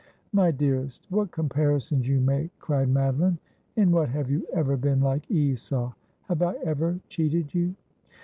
' My dearest, what comparisons you make,' cried Madeline. ' In what have you ever been like Esau ? Have I ever cheated you